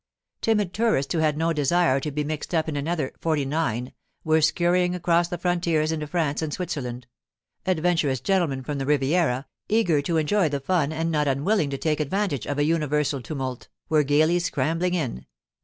Timid tourists who had no desire to be mixed up in another '49 were scurrying across the frontiers into France and Switzerland; adventurous gentlemen from the Riviera, eager to enjoy the fun and not unwilling to take advantage of a universal tumult, were gaily scrambling in.